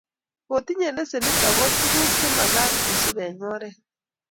kotinyei lesenit ago tuguuk chemagat kesuup eng oret